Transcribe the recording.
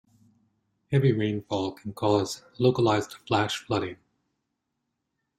Heavy rainfall can cause localized flash flooding.